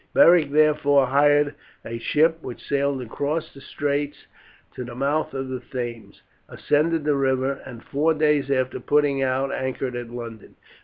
Beric therefore hired a ship, which sailed across the straits to the mouth of the Thames, ascended the river, and four days after putting out anchored at London.